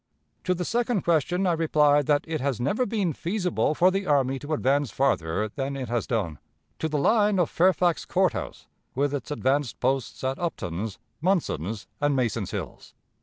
"To the second question I reply that it has never been feasible for the army to advance farther than it has done to the line of Fairfax Court House, with its advanced posts at Upton's, Munson's, and Mason's Hills.